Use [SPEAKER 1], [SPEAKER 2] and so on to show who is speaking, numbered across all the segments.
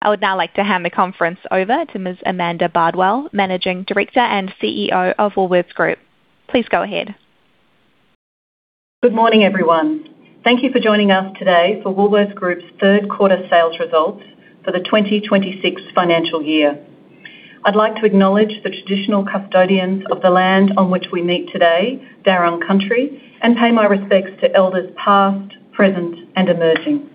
[SPEAKER 1] I would now like to hand the conference over to Ms. Amanda Bardwell, Managing Director and CEO of Woolworths Group. Please go ahead.
[SPEAKER 2] Good morning, everyone. Thank you for joining us today for Woolworths Group's third quarter sales results for the 2026 financial year. I'd like to acknowledge the traditional custodians of the land on which we meet today, Dharug Country, and pay my respects to elders past, present, and emerging.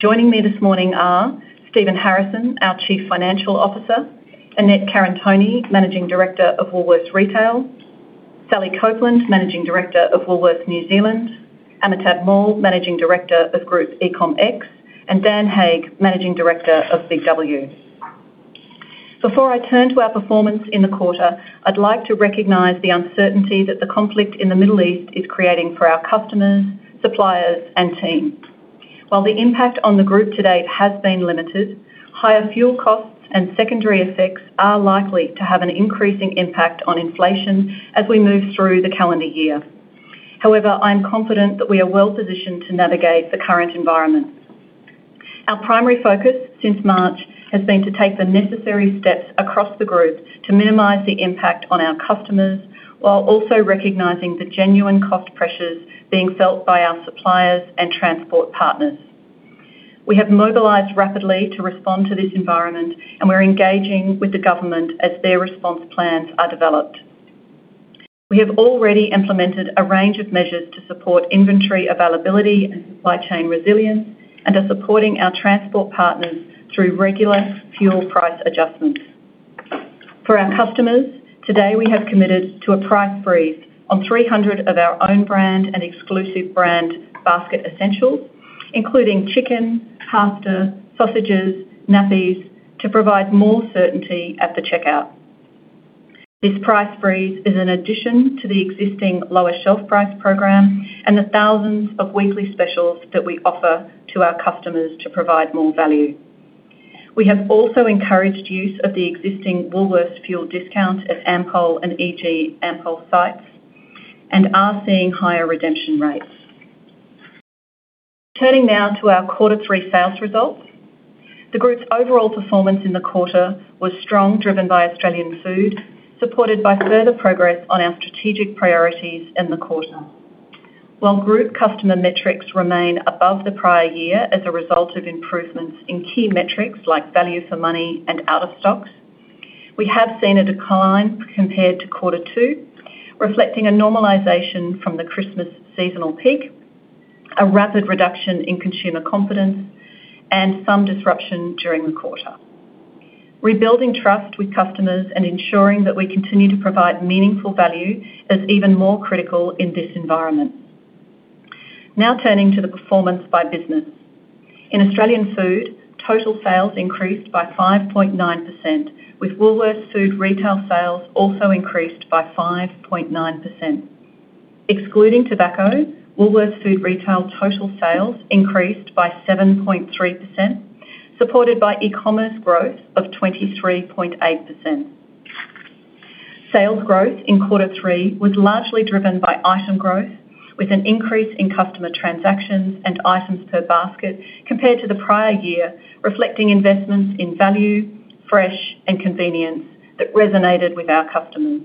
[SPEAKER 2] Joining me this morning are Stephen Harrison, our Chief Financial Officer, Annette Karantoni, Managing Director of Woolworths Retail, Sally Copland, Managing Director of Woolworths New Zealand, Amitabh Mall, Managing Director of Group eComX, and Dan Hake, Managing Director of BIG W. Before I turn to our performance in the quarter, I'd like to recognize the uncertainty that the conflict in the Middle East is creating for our customers, suppliers, and team. While the impact on the Group to date has been limited, higher fuel costs and secondary effects are likely to have an increasing impact on inflation as we move through the calendar year. However, I am confident that we are well-positioned to navigate the current environment. Our primary focus since March has been to take the necessary steps across the Group to minimize the impact on our customers, while also recognizing the genuine cost pressures being felt by our suppliers and transport partners. We have mobilized rapidly to respond to this environment, and we're engaging with the government as their response plans are developed. We have already implemented a range of measures to support inventory availability and supply chain resilience and are supporting our transport partners through regular fuel price adjustments. For our customers, today, we have committed to a Price Freeze on 300 of our own brand and exclusive brand basket essentials, including chicken, pasta, sausages, nappies to provide more certainty at the checkout. This Price Freeze is an addition to the existing lower shelf price program and the thousands of weekly specials that we offer to our customers to provide more value. We have also encouraged use of the existing Woolworths fuel discount at Ampol and EG Ampol sites and are seeing higher redemption rates. Turning now to our quarter three sales results. The group's overall performance in the quarter was strong, driven by Australian Food, supported by further progress on our strategic priorities in the quarter. While group customer metrics remain above the prior year as a result of improvements in key metrics like value for money and out of stocks, we have seen a decline compared to quarter two, reflecting a normalization from the Christmas seasonal peak, a rapid reduction in consumer confidence, and some disruption during the quarter. Rebuilding trust with customers and ensuring that we continue to provide meaningful value is even more critical in this environment. Turning to the performance by business. In Australian Food, total sales increased by 5.9%, with Woolworths Food retail sales also increased by 5.9%. Excluding tobacco, Woolworths Food retail total sales increased by 7.3%, supported by e-commerce growth of 23.8%. Sales growth in quarter three was largely driven by item growth, with an increase in customer transactions and items per basket compared to the prior year, reflecting investments in value, fresh, and convenience that resonated with our customers.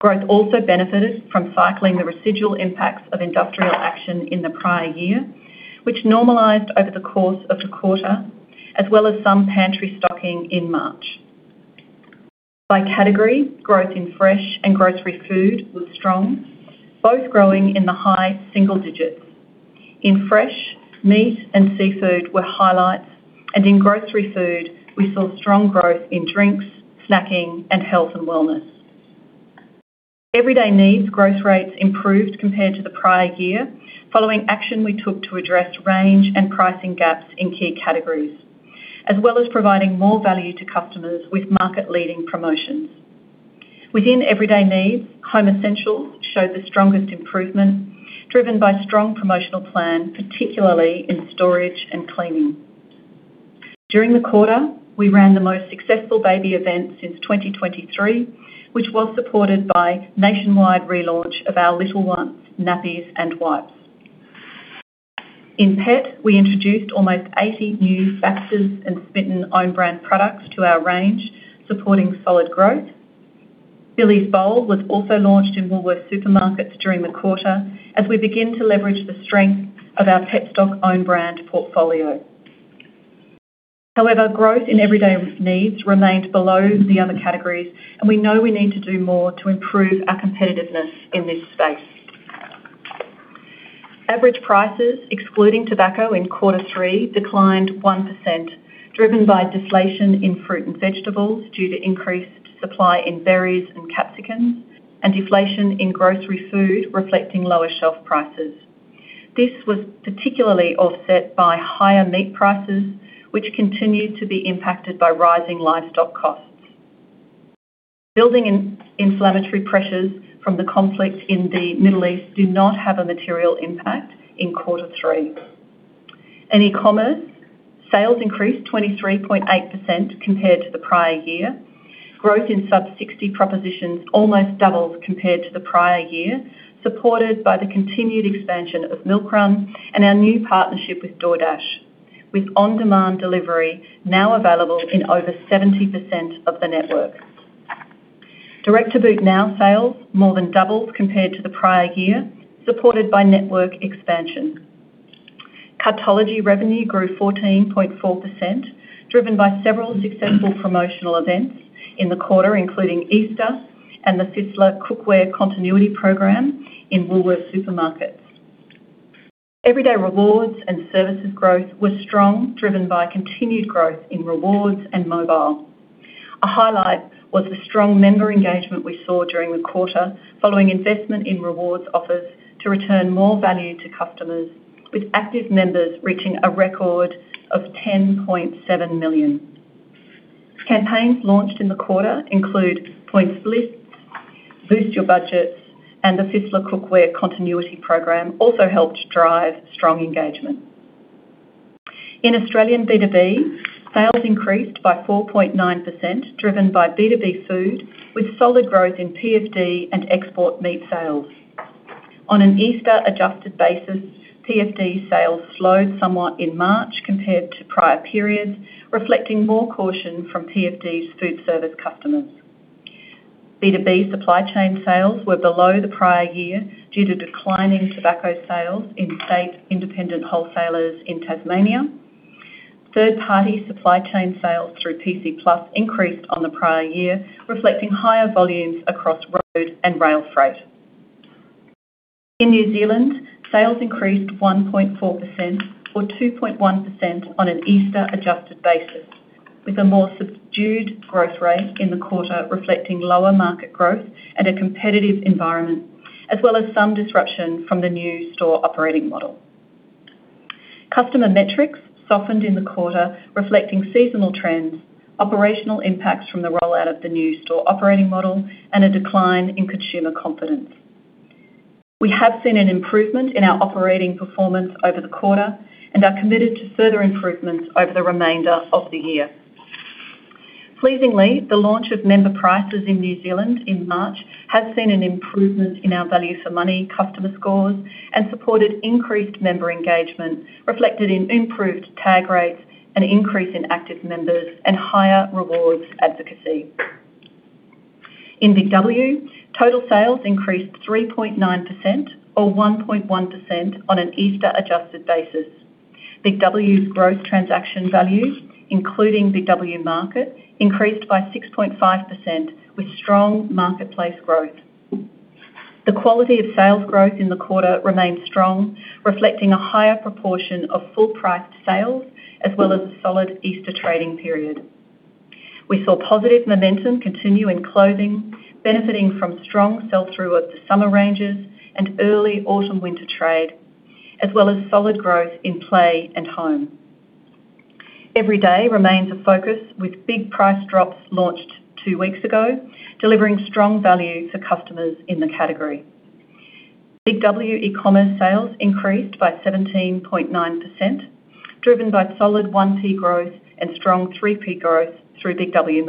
[SPEAKER 2] Growth also benefited from cycling the residual impacts of industrial action in the prior year, which normalized over the course of the quarter, as well as some pantry stocking in March. By category, growth in fresh and grocery food was strong, both growing in the high single digits. In fresh, meat and seafood were highlights, and in grocery food, we saw strong growth in drinks, snacking, and health and wellness. Everyday Needs growth rates improved compared to the prior year, following action we took to address range and pricing gaps in key categories, as well as providing more value to customers with market-leading promotions. Within Everyday Needs, Home Essentials showed the strongest improvement, driven by strong promotional plan, particularly in storage and cleaning. During the quarter, we ran the most successful baby event since 2023, which was supported by nationwide relaunch of our Little One's nappies and wipes. In Pet, we introduced almost 80 new Baxters and Smitten own brand products to our range, supporting solid growth. Billie's Bowl was also launched in Woolworths Supermarkets during the quarter as we begin to leverage the strength of our Petstock own brand portfolio. Growth in Everyday Needs remained below the other categories, and we know we need to do more to improve our competitiveness in this space. Average prices, excluding tobacco in quarter three, declined 1%, driven by deflation in fruit and vegetables due to increased supply in berries and capsicum, and deflation in grocery food reflecting lower shelf prices. This was particularly offset by higher meat prices, which continued to be impacted by rising livestock costs. Building inflationary pressures from the conflict in the Middle East did not have a material impact in quarter three. In e-commerce, sales increased 23.8% compared to the prior year. Growth in sub-60 propositions almost doubled compared to the prior year, supported by the continued expansion of MILKRUN and our new partnership with DoorDash, with on-demand delivery now available in over 70% of the network. Direct to Boot Now sales more than doubled compared to the prior year, supported by network expansion. Cartology revenue grew 14.4%, driven by several successful promotional events in the quarter, including Easter and the Fissler cookware continuity program in Woolworths Supermarkets. Everyday Rewards and Services growth were strong, driven by continued growth in rewards and mobile. A highlight was the strong member engagement we saw during the quarter following investment in rewards offers to return more value to customers, with active members reaching a record of 10.7 million. Campaigns launched in the quarter include Points Split, Boost Your Budgets, and the Fissler cookware continuity program also helped drive strong engagement. In Australian B2B, sales increased by 4.9%, driven by B2B food with solid growth in PFD and export meat sales. On an Easter-adjusted basis, PFD sales slowed somewhat in March compared to prior periods, reflecting more caution from PFD's food service customers. B2B supply chain sales were below the prior year due to declining tobacco sales in state independent wholesalers in Tasmania. Third-party supply chain sales through PC Plus increased on the prior year, reflecting higher volumes across road and rail freight. In New Zealand, sales increased 1.4% or 2.1% on an Easter-adjusted basis, with a more subdued growth rate in the quarter reflecting lower market growth and a competitive environment, as well as some disruption from the new store operating model. Customer metrics softened in the quarter, reflecting seasonal trends, operational impacts from the rollout of the new store operating model, and a decline in consumer confidence. We have seen an improvement in our operating performance over the quarter and are committed to further improvements over the remainder of the year. Pleasingly, the launch of Member Prices in New Zealand in March has seen an improvement in our value for money customer scores and supported increased member engagement, reflected in improved tag rates, an increase in active members, and higher rewards advocacy. In BIG W, total sales increased 3.9% or 1.1% on an Easter-adjusted basis. BIG W's growth transaction values, including BIG W Market, increased by 6.5% with strong marketplace growth. The quality of sales growth in the quarter remained strong, reflecting a higher proportion of full-priced sales as well as a solid Easter trading period. We saw positive momentum continue in clothing, benefiting from strong sell-through of the summer ranges and early autumn/winter trade, as well as solid growth in play and home. Every day remains a focus with big price drops launched two weeks ago, delivering strong value to customers in the category. BIG W e-commerce sales increased by 17.9%, driven by solid 1P growth and strong 3P growth through BIG W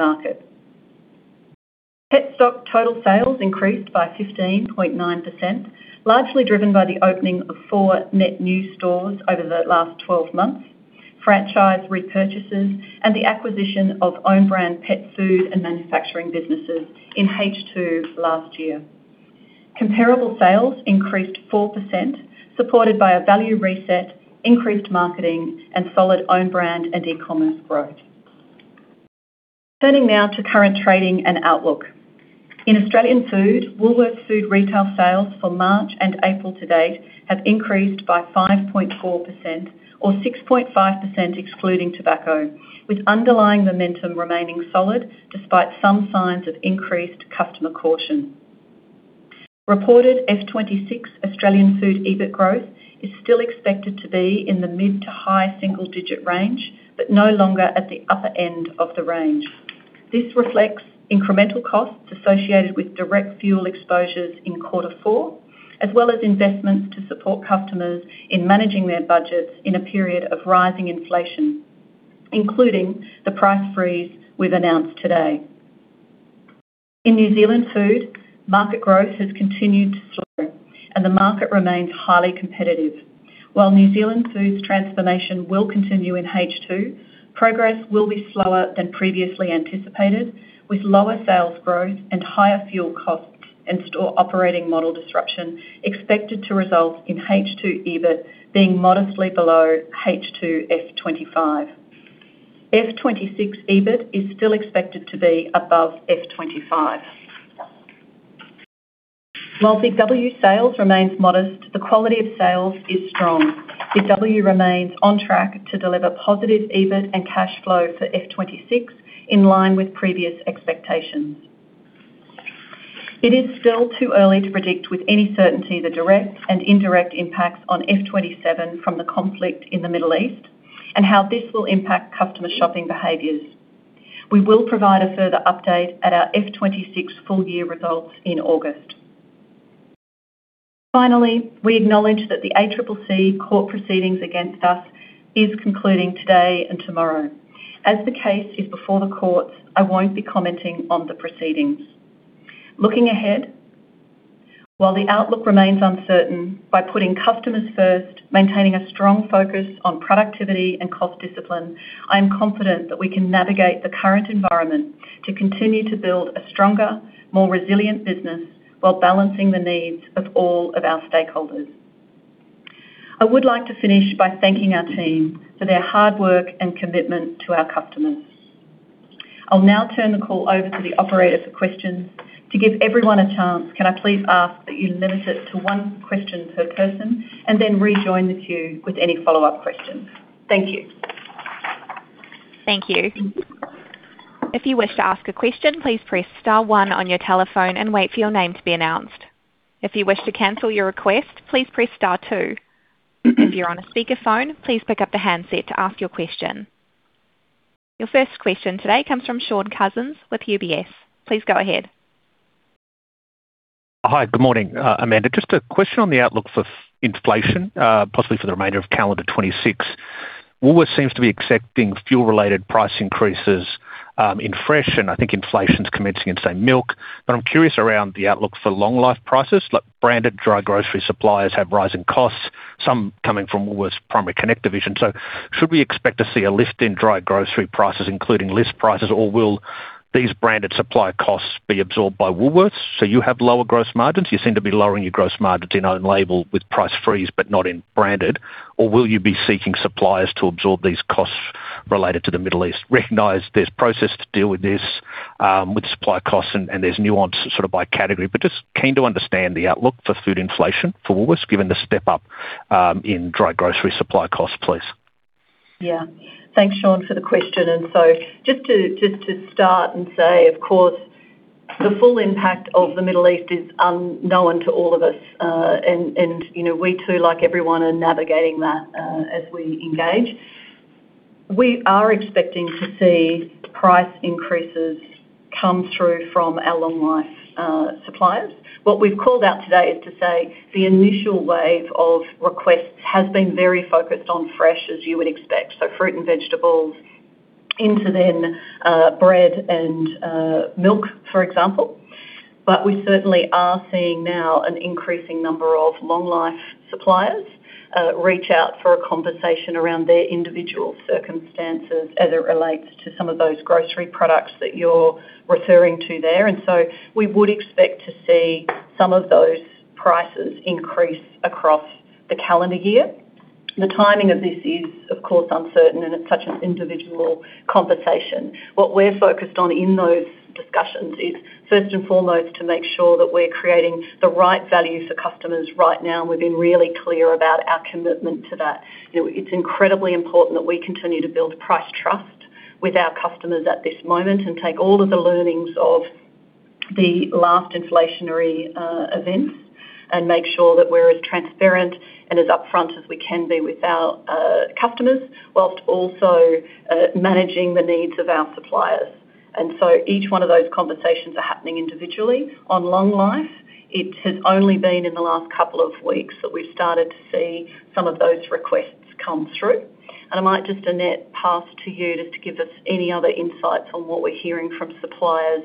[SPEAKER 2] Market. Petstock total sales increased by 15.9%, largely driven by the opening of four net new stores over the last 12 months, franchise repurchases, and the acquisition of own brand pet food and manufacturing businesses in H2 last year. Comparable sales increased 4%, supported by a value reset, increased marketing, and solid own brand and e-commerce growth. Turning now to current trading and outlook. In Australian Food, Woolworths Food retail sales for March and April to date have increased by 5.4% or 6.5% excluding tobacco, with underlying momentum remaining solid despite some signs of increased customer caution. Reported FY 2026 Australian Food EBIT growth is still expected to be in the mid to high single digit range, but no longer at the upper end of the range. This reflects incremental costs associated with direct fuel exposures in quarter four, as well as investments to support customers in managing their budgets in a period of rising inflation, including the Price Freeze we've announced today. In New Zealand Food, market growth has continued to slow and the market remains highly competitive. While New Zealand Food's transformation will continue in H2, progress will be slower than previously anticipated, with lower sales growth and higher fuel costs and store operating model disruption expected to result in H2 EBIT being modestly below H2 FY 2025. FY 2026 EBIT is still expected to be above FY 2025. While BIG W sales remains modest, the quality of sales is strong. BIG W remains on track to deliver positive EBIT and cash flow for FY 2026 in line with previous expectations. It is still too early to predict with any certainty the direct and indirect impacts on FY 2027 from the conflict in the Middle East and how this will impact customer shopping behaviors. We will provide a further update at our FY 2026 full year results in August. We acknowledge that the ACCC court proceedings against us is concluding today and tomorrow. As the case is before the courts, I won't be commenting on the proceedings. While the outlook remains uncertain, by putting customers first, maintaining a strong focus on productivity and cost discipline, I am confident that we can navigate the current environment to continue to build a stronger, more resilient business while balancing the needs of all of our stakeholders. I would like to finish by thanking our team for their hard work and commitment to our customers. I'll now turn the call over to the operator for questions. To give everyone a chance, can I please ask that you limit it to one question per person and then rejoin the queue with any follow-up questions? Thank you.
[SPEAKER 1] Thank you. If you wish to ask a question, please press star one on your telephone and wait for your name to be announced. If you wish to cancel your request, please press star two. If you are on a speakerphone, please pick up the handset to ask your question. Your first question today comes from Shaun Cousins with UBS. Please go ahead.
[SPEAKER 3] Hi. Good morning, Amanda. Just a question on the outlook for inflation, possibly for the remainder of calendar 2026. Woolworths seems to be accepting fuel-related price increases, in fresh, and I think inflation's commencing in, say, milk. I'm curious around the outlook for long life prices. Like, branded dry grocery suppliers have rising costs, some coming from Woolworths' Primary Connect division. Should we expect to see a lift in dry grocery prices, including list prices, or will these branded supply costs be absorbed by Woolworths so you have lower gross margins? You seem to be lowering your gross margins in own label with Price Freeze, but not in branded. Will you be seeking suppliers to absorb these costs related to the Middle East? Recognize there's process to deal with this, with supply costs and there's nuance sort of by category. Just keen to understand the outlook for food inflation for Woolworths, given the step up in dry grocery supply costs, please.
[SPEAKER 2] Yeah. Thanks, Shaun, for the question. Just to start and say, of course, the full impact of the Middle East is unknown to all of us. You know, we too, like everyone, are navigating that as we engage. We are expecting to see price increases come through from our long life suppliers. What we've called out today is to say the initial wave of requests has been very focused on fresh, as you would expect, so fruit and vegetables into then, bread and milk, for example. We certainly are seeing now an increasing number of long life suppliers reach out for a conversation around their individual circumstances as it relates to some of those grocery products that you're referring to there. We would expect to see some of those prices increase across the calendar year. The timing of this is, of course, uncertain, and it's such an individual conversation. What we're focused on in those discussions is, first and foremost, to make sure that we're creating the right value for customers right now, and we've been really clear about our commitment to that. You know, it's incredibly important that we continue to build price trust with our customers at this moment and take all of the learnings of the last inflationary events and make sure that we're as transparent and as upfront as we can be with our customers, whilst also managing the needs of our suppliers. Each one of those conversations are happening individually. On long life, it has only been in the last couple of weeks that we've started to see some of those requests come through. I might just, Annette, pass to you just to give us any other insights on what we're hearing from suppliers,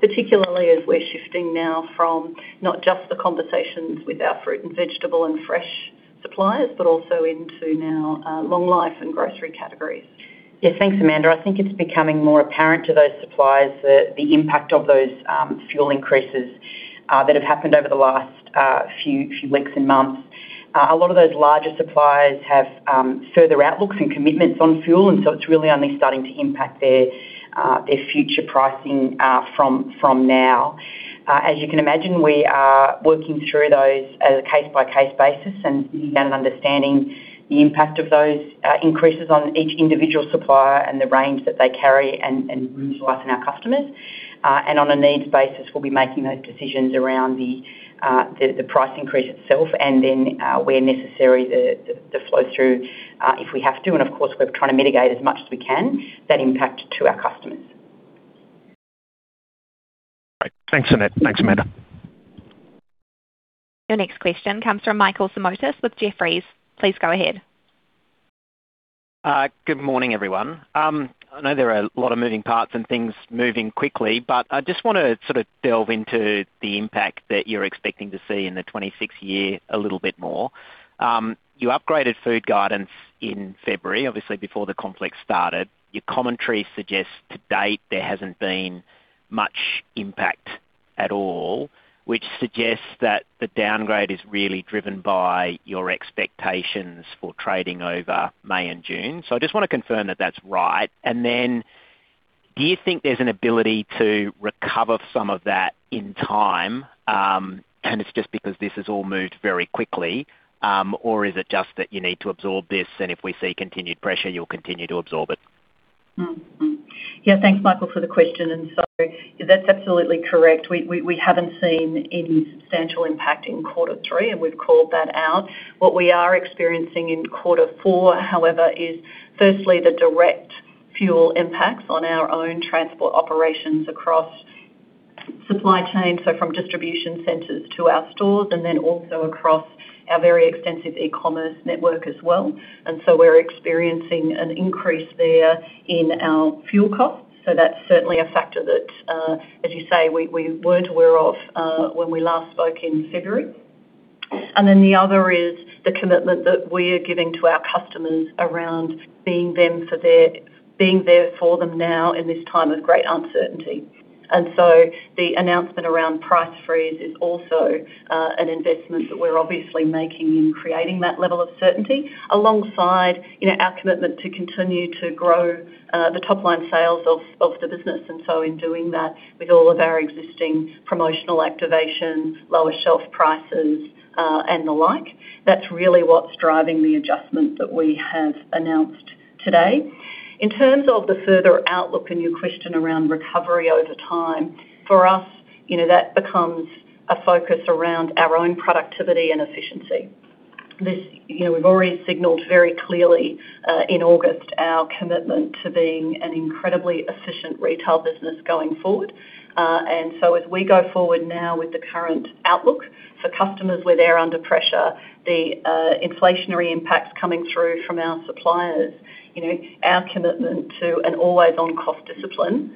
[SPEAKER 2] particularly as we're shifting now from not just the conversations with our fruit and vegetable and fresh suppliers, but also into now, long life and grocery categories.
[SPEAKER 4] Yeah. Thanks, Amanda. I think it's becoming more apparent to those suppliers the impact of those fuel increases that have happened over the last few weeks and months. A lot of those larger suppliers have further outlooks and commitments on fuel, it's really only starting to impact their future pricing from now. As you can imagine, we are working through those as a case-by-case basis and beginning understanding the impact of those increases on each individual supplier and the range that they carry and utilize in our customers. On a needs basis, we'll be making those decisions around the price increase itself and then, where necessary, the flow through if we have to. Of course, we're trying to mitigate as much as we can that impact to our customers.
[SPEAKER 3] Great. Thanks, Annette. Thanks, Amanda.
[SPEAKER 1] Your next question comes from Michael Simotas with Jefferies. Please go ahead.
[SPEAKER 5] Good morning, everyone. I know there are a lot of moving parts and things moving quickly, but I just wanna sort of delve into the impact that you're expecting to see in the 2026 year a little bit more. You upgraded food guidance in February, obviously before the conflict started. Your commentary suggests to date there hasn't been much impact at all, which suggests that the downgrade is really driven by your expectations for trading over May and June. I just wanna confirm that that's right. Do you think there's an ability to recover some of that in time, and it's just because this has all moved very quickly? Is it just that you need to absorb this, and if we see continued pressure, you'll continue to absorb it?
[SPEAKER 2] Yeah. Thanks, Michael, for the question. That's absolutely correct. We haven't seen any substantial impact in quarter three, and we've called that out. What we are experiencing in quarter four, however, is firstly the direct-Fuel impacts on our own transport operations across supply chain, so from distribution centers to our stores, and then also across our very extensive e-commerce network as well. We're experiencing an increase there in our fuel costs. That's certainly a factor that, as you say, we weren't aware of, when we last spoke in February. The other is the commitment that we are giving to our customers around being there for them now in this time of great uncertainty. The announcement around Price Freeze is also an investment that we're obviously making in creating that level of certainty alongside, you know, our commitment to continue to grow the top-line sales of the business. In doing that with all of our existing promotional activations, lower shelf prices, and the like, that's really what's driving the adjustment that we have announced today. In terms of the further outlook and your question around recovery over time, for us, you know, that becomes a focus around our own productivity and efficiency. You know, we've already signaled very clearly in August our commitment to being an incredibly efficient retail business going forward. As we go forward now with the current outlook for customers where they're under pressure, the inflationary impacts coming through from our suppliers, you know, our commitment to an always-on cost discipline,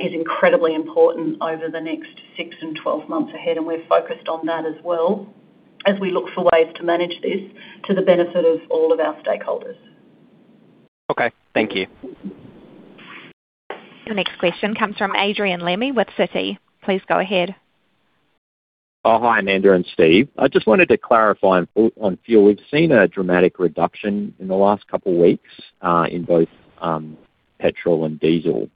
[SPEAKER 2] is incredibly important over the next six and 12 months ahead, and we're focused on that as well as we look for ways to manage this to the benefit of all of our stakeholders.
[SPEAKER 5] Okay, thank you.
[SPEAKER 1] The next question comes from Adrian Lemme with Citi. Please go ahead.
[SPEAKER 6] Oh, hi, Amanda and Steve. I just wanted to clarify on fuel. We've seen a dramatic reduction in the last couple weeks, in both petrol and diesel.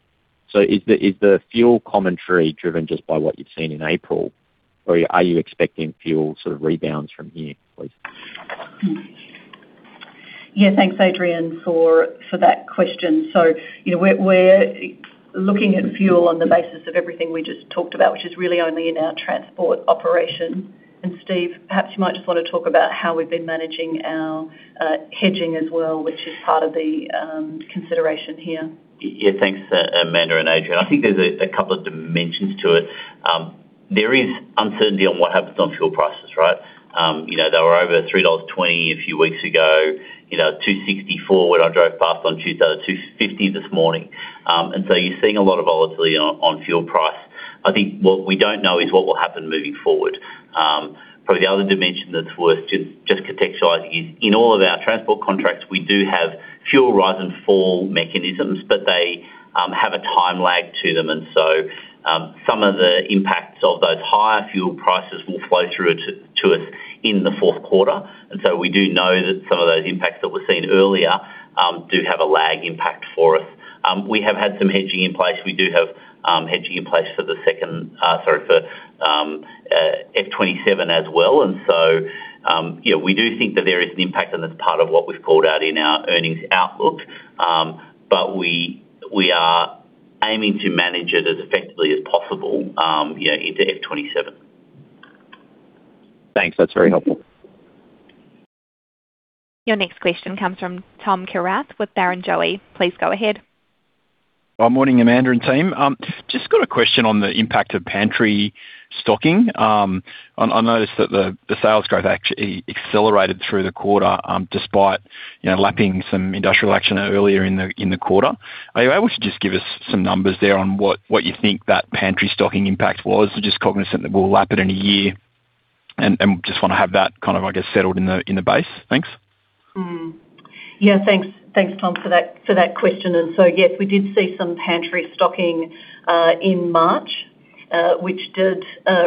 [SPEAKER 6] Is the fuel commentary driven just by what you've seen in April, or are you expecting fuel sort of rebounds from here, please?
[SPEAKER 2] Yeah, thanks, Adrian, for that question. You know, we're looking at fuel on the basis of everything we just talked about, which is really only in our transport operation. Steve, perhaps you might just want to talk about how we've been managing our hedging as well, which is part of the consideration here.
[SPEAKER 7] Thanks, Amanda and Adrian. I think there's a couple of dimensions to it. There is uncertainty on what happens on fuel prices, right? You know, they were over 3.20 dollars a few weeks ago, you know, 2.64 when I drove past on Tuesday, 2.50 this morning. You're seeing a lot of volatility on fuel price. I think what we don't know is what will happen moving forward. Probably the other dimension that's worth contextualizing is in all of our transport contracts, we do have fuel rise and fall mechanisms, but they have a time lag to them. Some of the impacts of those higher fuel prices will flow through to us in the fourth quarter. We do know that some of those impacts that were seen earlier do have a lag impact for us. We have had some hedging in place. We do have hedging in place for the second, sorry, for FY 2027 as well. You know, we do think that there is an impact, and that's part of what we've called out in our earnings outlook. We, we are aiming to manage it as effectively as possible, you know, into FY 2027.
[SPEAKER 6] Thanks. That's very helpful.
[SPEAKER 1] Your next question comes from Tom Kierath with Barrenjoey. Please go ahead.
[SPEAKER 8] Well, morning, Amanda and team. Just got a question on the impact of pantry stocking. I noticed that the sales growth accelerated through the quarter, despite, you know, lapping some industrial action earlier in the quarter. Are you able to just give us some numbers there on what you think that pantry stocking impact was? Just cognizant that we'll lap it in a year and just wanna have that kind of, I guess, settled in the base. Thanks.
[SPEAKER 2] Yeah, thanks, Tom, for that question. Yes, we did see some pantry stocking in March, which did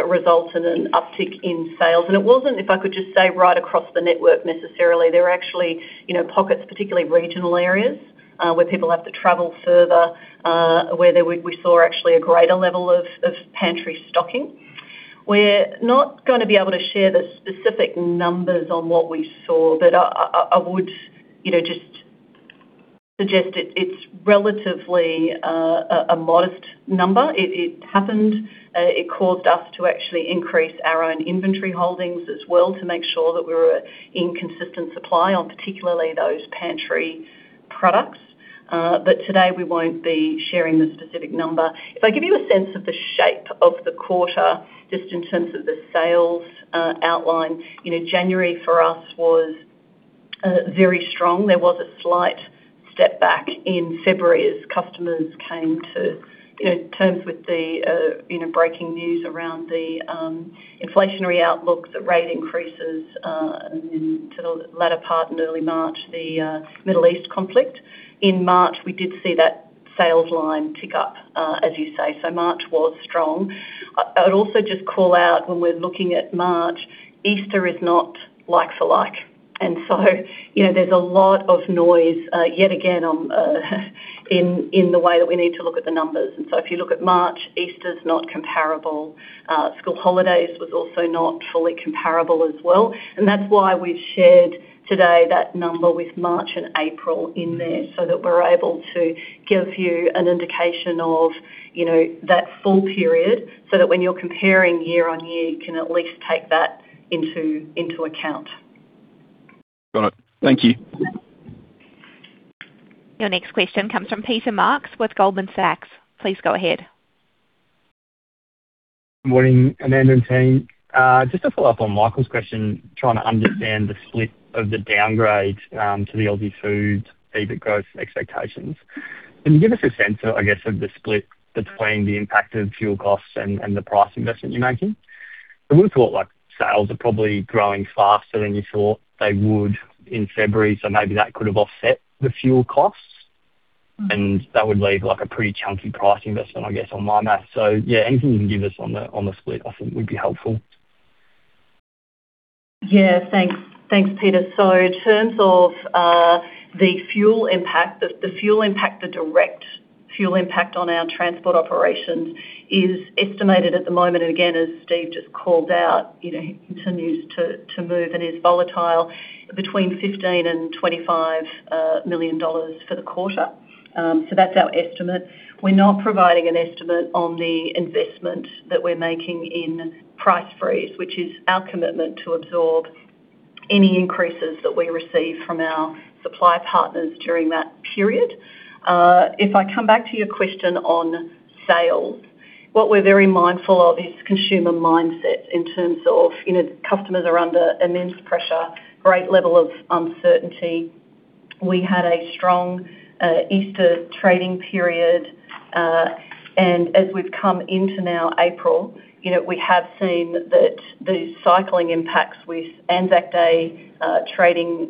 [SPEAKER 2] result in an uptick in sales. It wasn't, if I could just say, right across the network necessarily. There were actually, you know, pockets, particularly regional areas, where people have to travel further, where we saw actually a greater level of pantry stocking. We're not gonna be able to share the specific numbers on what we saw, but I would, you know, just suggest it's relatively a modest number. It happened. It caused us to actually increase our own inventory holdings as well to make sure that we were in consistent supply on particularly those pantry products. Today we won't be sharing the specific number. If I give you a sense of the shape of the quarter, just in terms of the sales outline, you know, January for us was very strong. There was a slight step back in February as customers came to, you know, terms with the, you know, breaking news around the inflationary outlook, the rate increases, and to the latter part in early March, the Middle East conflict. In March, we did see that sales line tick up, as you say. So March was strong. I would also just call out when we're looking at March, Easter is not like-for-like. You know, there's a lot of noise yet again on in the way that we need to look at the numbers. If you look at March, Easter's not comparable. School holidays was also not fully comparable as well. That's why we've shared today that number with March and April in there so that we're able to give you an indication of, you know, that full period so that when you're comparing year-on-year, you can at least take that into account.
[SPEAKER 8] Got it. Thank you.
[SPEAKER 1] Your next question comes from Peter Marks with Goldman Sachs. Please go ahead.
[SPEAKER 9] Morning, Amanda and team. Just to follow up on Michael's question, trying to understand the split of the downgrade to the Aussie Food EBIT growth expectations. Can you give us a sense, I guess, of the split between the impact of fuel costs and the price investment you're making? I would've thought, like, sales are probably growing faster than you thought they would in February, maybe that could have offset the fuel costs, that would leave, like, a pretty chunky price investment, I guess, on my math. Yeah, anything you can give us on the split, I think would be helpful.
[SPEAKER 2] Yeah. Thanks. Thanks, Peter. In terms of the fuel impact, the fuel impact, the direct fuel impact on our transport operations is estimated at the moment, and again, as Steve just called out, you know, continues to move and is volatile between 15 million and 25 million dollars for the quarter. That's our estimate. We're not providing an estimate on the investment that we're making in Price Freeze, which is our commitment to absorb any increases that we receive from our supply partners during that period. If I come back to your question on sales, what we're very mindful of is consumer mindset in terms of, you know, customers are under immense pressure, great level of uncertainty. We had a strong Easter trading period. As we've come into now April, you know, we have seen that the cycling impacts with Anzac Day trading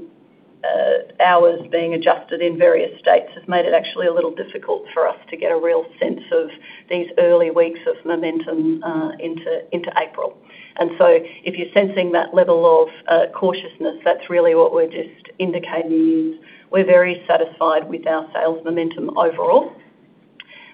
[SPEAKER 2] hours being adjusted in various states has made it actually a little difficult for us to get a real sense of these early weeks of momentum into April. If you're sensing that level of cautiousness, that's really what we're just indicating. We're very satisfied with our sales momentum overall.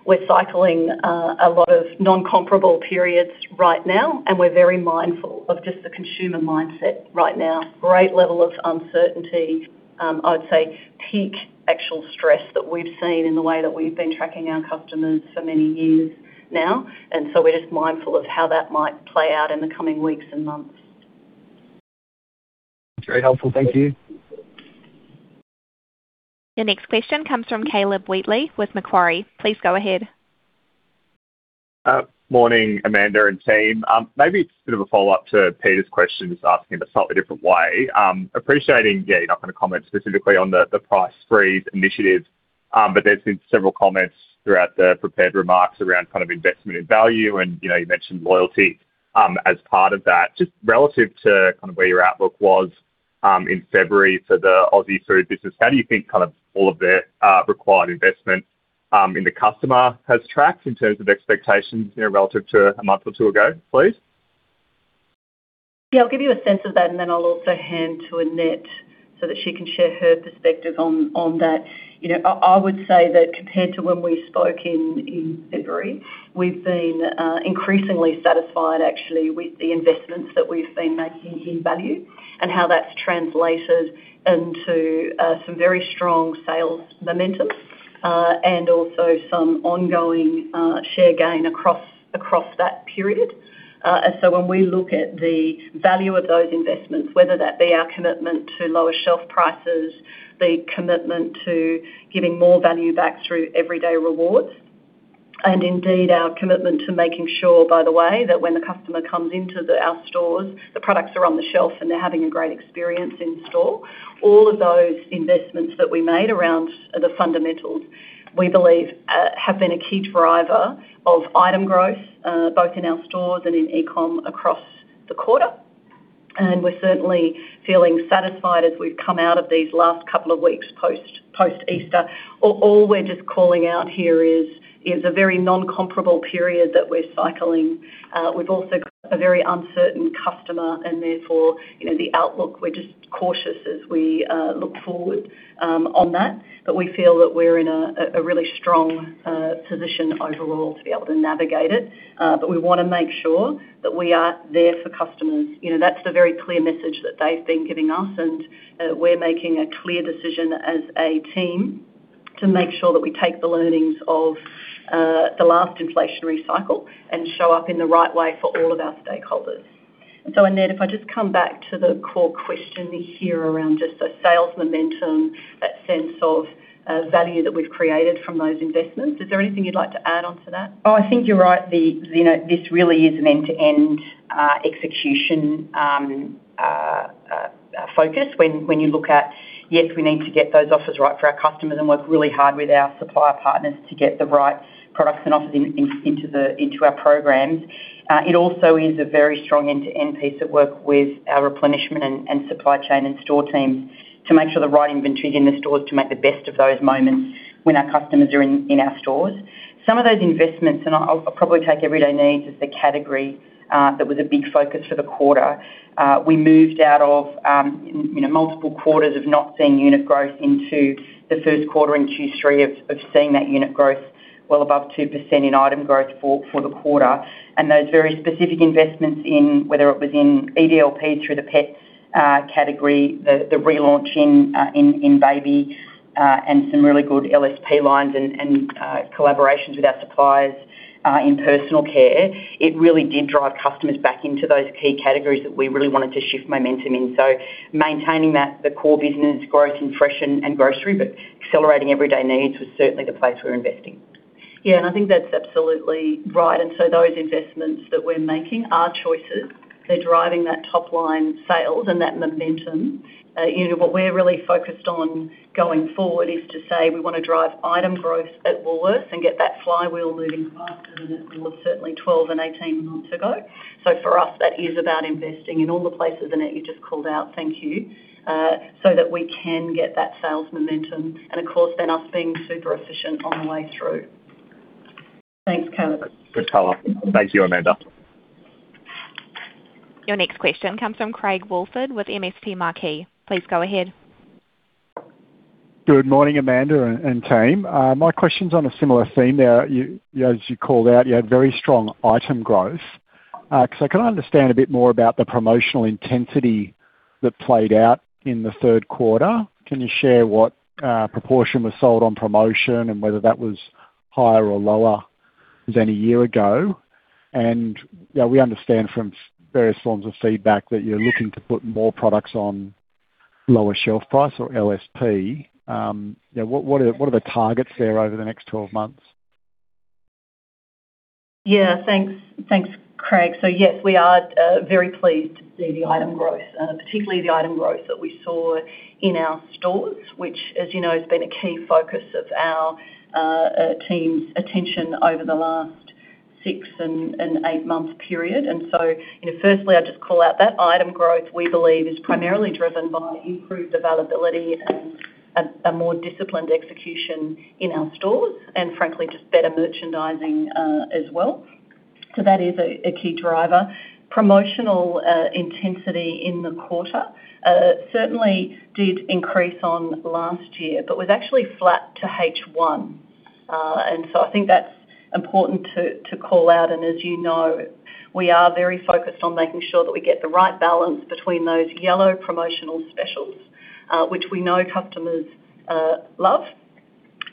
[SPEAKER 2] We're cycling a lot of non-comparable periods right now, and we're very mindful of just the consumer mindset right now. Great level of uncertainty. I would say peak actual stress that we've seen in the way that we've been tracking our customers for many years now, and so we're just mindful of how that might play out in the coming weeks and months.
[SPEAKER 9] It's very helpful. Thank you.
[SPEAKER 1] Your next question comes from Caleb Wheatley with Macquarie. Please go ahead.
[SPEAKER 10] Morning, Amanda and team. Maybe it's a bit of a follow-up to Peter's question, just asking a slightly different way. Appreciating, yeah, you're not gonna comment specifically on the Price Freeze initiative, but there's been several comments throughout the prepared remarks around kind of investment in value and, you know, you mentioned loyalty as part of that. Just relative to kind of where your outlook was in February for the Australian Food business, how do you think kind of all of the required investment in the customer has tracked in terms of expectations, you know, relative to a month or two ago, please?
[SPEAKER 2] I'll give you a sense of that, and then I'll also hand to Annette so that she can share her perspective on that. You know, I would say that compared to when we spoke in February, we've been increasingly satisfied actually with the investments that we've been making in value and how that's translated into some very strong sales momentum, and also some ongoing share gain across that period. When we look at the value of those investments, whether that be our commitment to lower shelf prices, the commitment to giving more value back through Everyday Rewards, and indeed our commitment to making sure, by the way, that when the customer comes into our stores, the products are on the shelf, and they're having a great experience in store. All of those investments that we made around the fundamentals, we believe, have been a key driver of item growth, both in our stores and in e-commerce across the quarter. We're certainly feeling satisfied as we've come out of these last couple of weeks post-Easter. All we're just calling out here is a very non-comparable period that we're cycling. We've also got a very uncertain customer and therefore, you know, the outlook, we're just cautious as we look forward on that. We feel that we're in a really strong position overall to be able to navigate it. We wanna make sure that we are there for customers. You know, that's the very clear message that they've been giving us, we're making a clear decision as a team to make sure that we take the learnings of the last inflationary cycle and show up in the right way for all of our stakeholders. Annette, if I just come back to the core question here around just the sales momentum, that sense of value that we've created from those investments. Is there anything you'd like to add on to that?
[SPEAKER 4] Oh, I think you're right. The, you know, this really is an end-to-end execution focus when you look at, yes, we need to get those offers right for our customers and work really hard with our supplier partners to get the right products and offers into our programs. It also is a very strong end-to-end piece of work with our replenishment and supply chain and store team to make sure the right inventory is in the stores to make the best of those moments when our customers are in our stores. Some of those investments, and I'll probably take Everyday Needs as the category, that was a big focus for the quarter. We moved out of, you know, multiple quarters of not seeing unit growth into the first quarter and Q3 of seeing that unit growth well above 2% in item growth for the quarter. Those very specific investments in whether it was in EDLP through the pets category, the relaunch in baby, and some really good LSP lines and collaborations with our suppliers in personal care really did drive customers back into those key categories that we really wanted to shift momentum in. Maintaining the core business growth in fresh and grocery, but accelerating Everyday Needs was certainly the place we're investing.
[SPEAKER 2] Yeah, I think that's absolutely right. Those investments that we're making are choices. They're driving that top-line sales and that momentum. You know, what we're really focused on going forward is to say we want to drive item growth at Woolworths and get that flywheel moving faster than it was certainly 12 months and 18 months ago. For us, that is about investing in all the places, and that you just called out. Thank you. That we can get that sales momentum and of course then us being super efficient on the way through. Thanks, Caleb.
[SPEAKER 10] Good color. Thank you, Amanda.
[SPEAKER 1] Your next question comes from Craig Woolford with MST Marquee. Please go ahead.
[SPEAKER 11] Good morning, Amanda and team. My question's on a similar theme. Now, you know, as you called out, you had very strong item growth. 'Cause I can understand a bit more about the promotional intensity that played out in the third quarter. Can you share what proportion was sold on promotion and whether that was higher or lower than a year ago? You know, we understand from various forms of feedback that you're looking to put more products on lower shelf price or LSP. You know, what are the targets there over the next 12 months?
[SPEAKER 2] Yeah, thanks. Thanks, Craig. Yes, we are very pleased to see the item growth, particularly the item growth that we saw in our stores, which as you know, has been a key focus of our team's attention over the last six-month and eight-month period. You know, firstly, I'd just call out that item growth, we believe is primarily driven by improved availability and a more disciplined execution in our stores, and frankly, just better merchandising as well. That is a key driver. Promotional intensity in the quarter certainly did increase on last year, but was actually flat to H one. I think that's important to call out. As you know, we are very focused on making sure that we get the right balance between those yellow promotional specials, which we know customers love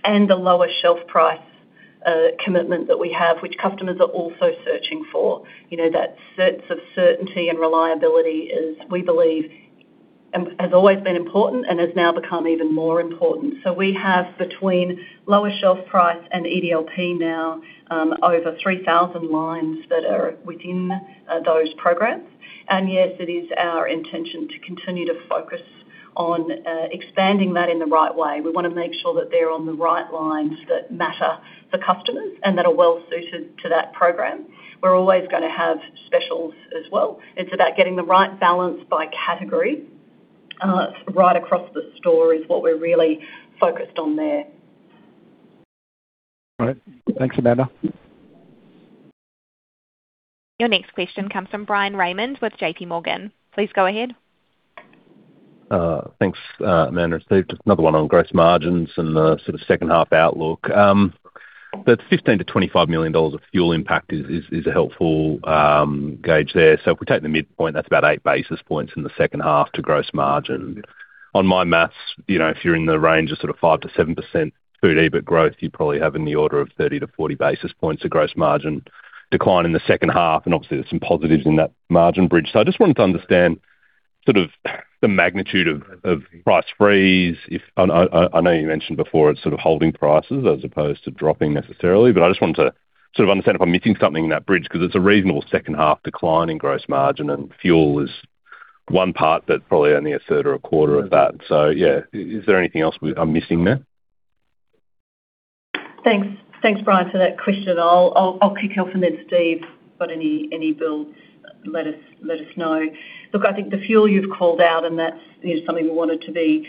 [SPEAKER 2] and the lower shelf price commitment that we have, which customers are also searching for. You know, that sense of certainty and reliability is, we believe, has always been important and has now become even more important. We have between lower shelf price and EDLP now over 3,000 lines that are within those programs. Yes, it is our intention to continue to focus on expanding that in the right way. We wanna make sure that they're on the right lines that matter for customers and that are well-suited to that program. We're always gonna have specials as well. It's about getting the right balance by category, right across the store is what we're really focused on there.
[SPEAKER 11] All right. Thanks, Amanda.
[SPEAKER 1] Your next question comes from Bryan Raymond with JPMorgan. Please go ahead.
[SPEAKER 12] Thanks, Amanda and Steve. Just another one on gross margins and the sort of second half outlook. That 15 million-25 million dollars of fuel impact is a helpful gauge there. If we take the midpoint, that's about 8 basis points in the second half to gross margin. On my math, you know, if you're in the range of sort of 5%-7% food EBIT growth, you probably have in the order of 30 basis points-40 basis points of gross margin decline in the second half. Obviously there's some positives in that margin bridge. I just wanted to understand sort of the magnitude of Price Freeze if, I know you mentioned before it's sort of holding prices as opposed to dropping necessarily, but I just wanted to sort of understand if I'm missing something in that bridge 'cause it's a reasonable second half decline in gross margin, and fuel is one part that probably only 1/3 or 1/4 of that. Yeah. Is there anything else I'm missing there?
[SPEAKER 2] Thanks. Thanks, Bryan, for that question. I'll kick off and then Steve, got any build, let us know. Look, I think the fuel you've called out, that is something we wanted to be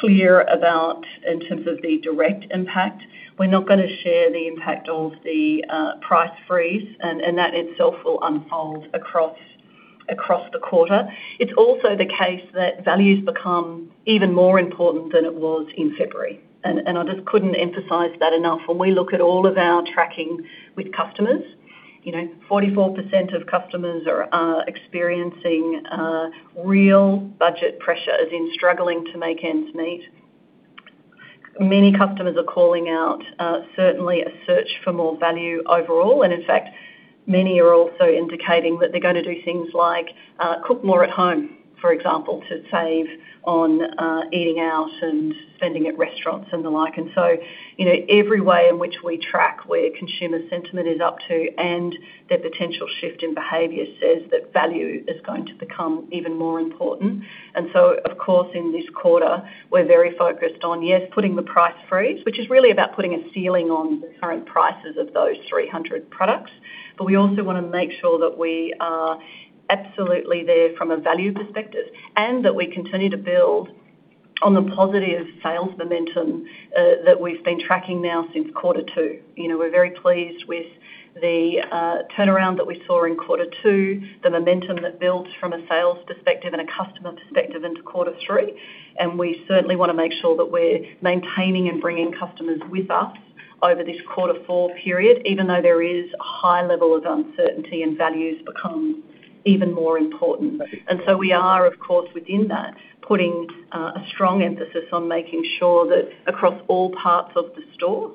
[SPEAKER 2] clear about in terms of the direct impact. We're not going to share the impact of the Price Freeze and that itself will unfold across the quarter. It's also the case that value's become even more important than it was in February. I just couldn't emphasize that enough. When we look at all of our tracking with customers, you know, 44% of customers are experiencing real budget pressure, as in struggling to make ends meet. Many customers are calling out certainly a search for more value overall. In fact, many are also indicating that they're gonna do things like cook more at home, for example, to save on eating out and spending at restaurants and the like. You know, every way in which we track where consumer sentiment is up to and their potential shift in behavior says that value is going to become even more important. Of course in this quarter we're very focused on, yes, putting the Price Freeze, which is really about putting a ceiling on the current prices of those 300 products. We also wanna make sure that we are absolutely there from a value perspective and that we continue to build on the positive sales momentum that we've been tracking now since quarter two. You know, we're very pleased with the turnaround that we saw in quarter two, the momentum that built from a sales perspective and a customer perspective into quarter three. We certainly wanna make sure that we're maintaining and bringing customers with us over this quarter four period, even though there is a high level of uncertainty and value's become even more important. We are of course within that putting a strong emphasis on making sure that across all parts of the store,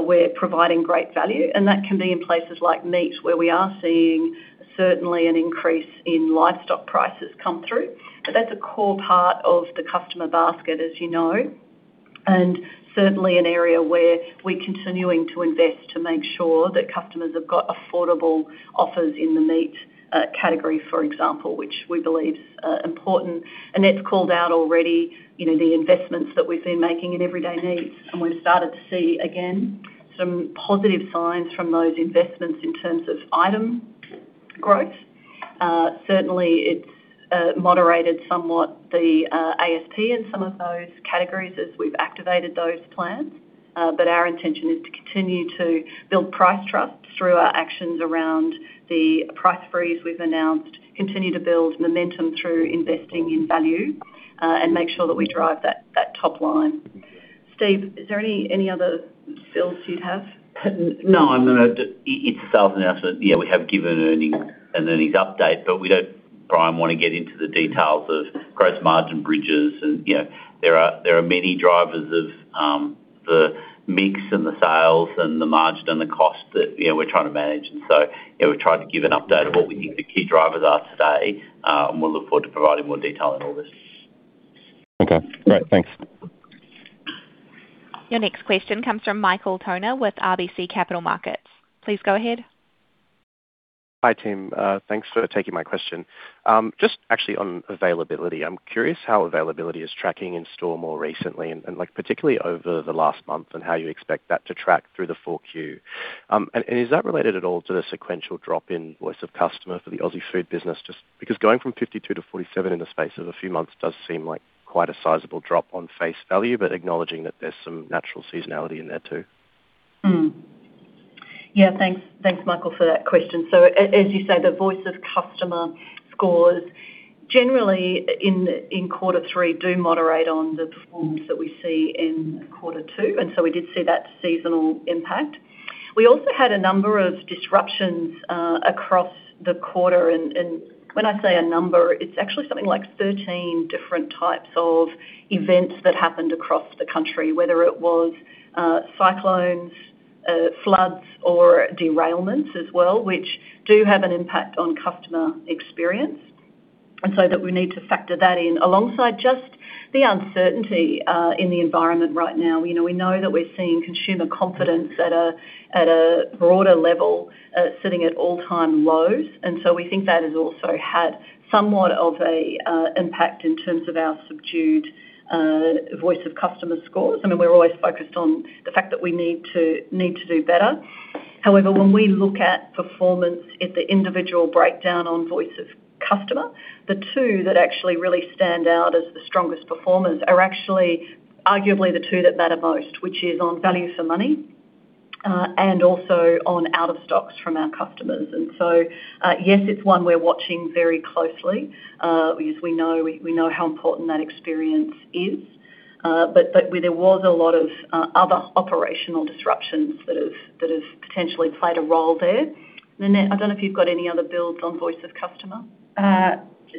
[SPEAKER 2] we're providing great value. That can be in places like meat where we are seeing certainly an increase in livestock prices come through. That's a core part of the customer basket as you know. Certainly an area where we're continuing to invest to make sure that customers have got affordable offers in the meat category, for example, which we believe is important. Annette called out already, you know, the investments that we've been making in Everyday Needs, and we've started to see, again, some positive signs from those investments in terms of item growth. Certainly it's moderated somewhat the ASP in some of those categories as we've activated those plans. Our intention is to continue to build price trust through our actions around the Price Freeze we've announced, continue to build momentum through investing in value, and make sure that we drive that top line. Steve, is there any other builds you'd have?
[SPEAKER 7] No. It's sales announcement. Yeah, we have given earnings, an earnings update, but we don't, Bryan, want to get into the details of gross margin bridges and, you know, there are many drivers of the mix and the sales and the margin and the cost that, you know, we're trying to manage. So, you know, we're trying to give an update of what we think the key drivers are today, and we'll look forward to providing more detail on all this.
[SPEAKER 12] Okay. Great. Thanks.
[SPEAKER 1] Your next question comes from Michael Toner with RBC Capital Markets. Please go ahead.
[SPEAKER 13] Hi, team. Thanks for taking my question. Just actually on availability, I'm curious how availability is tracking in-store more recently and like particularly over the last month and how you expect that to track through the full Q. Is that related at all to the sequential drop in Voice of Customer for the Aussie food business? Just because going from 52 points-47 points in the space of a few months does seem like quite a sizable drop on face value, but acknowledging that there's some natural seasonality in there too.
[SPEAKER 2] Thanks, Michael, for that question. As you say, the Voice of Customer scores generally in quarter three do moderate on the performance that we see in quarter two, we did see that seasonal impact. We also had a number of disruptions across the quarter and when I say a number, it's actually something like 13 different types of events that happened across the country, whether it was cyclones, floods, or derailments as well, which do have an impact on customer experience. That we need to factor that in alongside just the uncertainty in the environment right now. You know, we know that we're seeing consumer confidence at a broader level, sitting at all-time lows, and so we think that has also had somewhat of a, impact in terms of our subdued, Voice of Customer scores. I mean, we're always focused on the fact that we need to do better. However, when we look at performance at the individual breakdown on Voice of Customer, the two that actually really stand out as the strongest performers are actually arguably the two that matter most, which is on value for money, and also on out of stocks from our customers. Yes, it's one we're watching very closely, because we know how important that experience is. There was a lot of, other operational disruptions that have potentially played a role there. Annette, I don't know if you've got any other builds on Voice of Customer.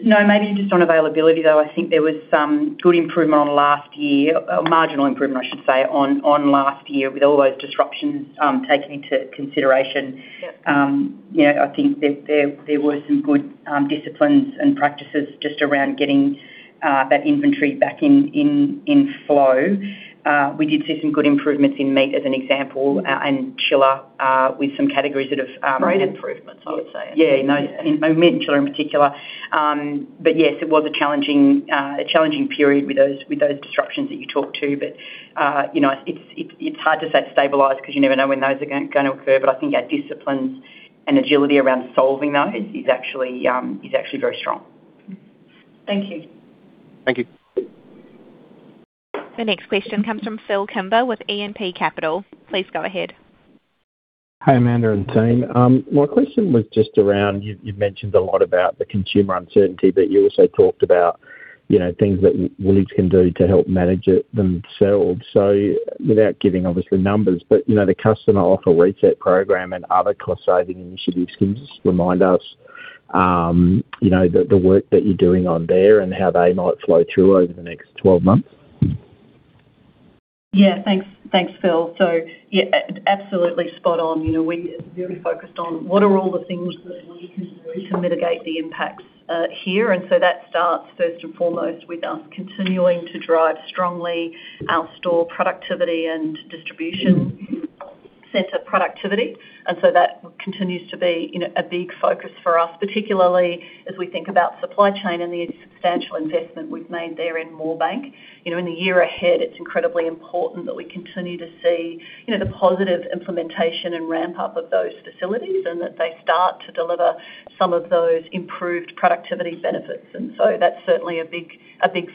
[SPEAKER 4] No. Maybe just on availability, though, I think there was some good improvement on last year, a marginal improvement, I should say, on last year with all those disruptions taken into consideration.
[SPEAKER 2] Yeah.
[SPEAKER 4] You know, I think there were some good disciplines and practices just around getting that inventory back in flow. We did see some good improvements in meat as an example, and chiller.
[SPEAKER 2] Great improvements, I would say.
[SPEAKER 4] Yeah, no. In meat and chiller in particular. Yes, it was a challenging period with those disruptions that you talked to. You know, it's hard to say it's stabilized 'cause you never know when those are gonna occur. I think our disciplines and agility around solving those is actually very strong.
[SPEAKER 2] Thank you.
[SPEAKER 13] Thank you.
[SPEAKER 1] The next question comes from Phil Kimber with E&P Capital. Please go ahead.
[SPEAKER 14] Hi, Amanda and team. My question was just around, you mentioned a lot about the consumer uncertainty, but you also talked about, you know, things that Woolies can do to help manage it themselves. Without giving obviously numbers, but, you know, the customer offer reset program and other cost-saving initiatives, can you just remind us, you know, the work that you're doing on there and how they might flow through over the next 12 months?
[SPEAKER 2] Yeah. Thanks. Thanks, Phil. Absolutely spot on. You know, we are really focused on what are all the things that we can do to mitigate the impacts here. That starts first and foremost with us continuing to drive strongly our store productivity and distribution center productivity. That continues to be in a big focus for us, particularly as we think about supply chain and the substantial investment we've made there in Moorebank. You know, in the year ahead, it's incredibly important that we continue to see, you know, the positive implementation and ramp up of those facilities, and that they start to deliver some of those improved productivity benefits. That's certainly a big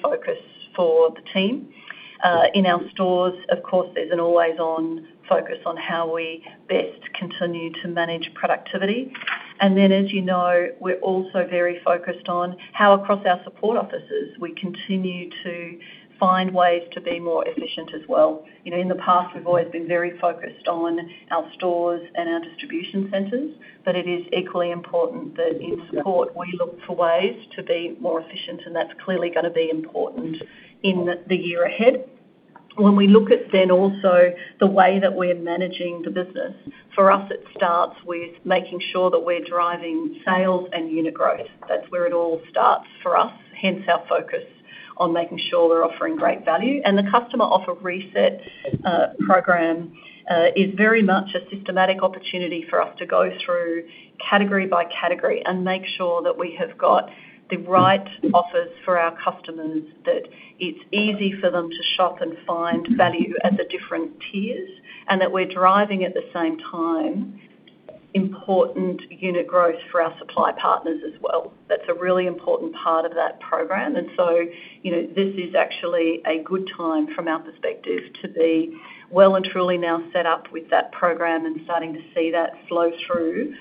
[SPEAKER 2] focus for the team. In our stores, of course, there's an always on focus on how we best continue to manage productivity. Then, as you know, we're also very focused on how across our support offices we continue to find ways to be more efficient as well. You know, in the past we've always been very focused on our stores and our distribution centers, but it is equally important that in support we look for ways to be more efficient, and that's clearly gonna be important in the year ahead. When we look at then also the way that we're managing the business, for us it starts with making sure that we're driving sales and unit growth. That's where it all starts for us, hence our focus on making sure we're offering great value. The Customer Offer Reset program is very much a systematic opportunity for us to go through category by category and make sure that we have got the right offers for our customers, that it's easy for them to shop and find value at the different tiers, and that we're driving at the same time important unit growth for our supply partners as well. That's a really important part of that program. You know, this is actually a good time from our perspective to be well and truly now set up with that program and starting to see that flow through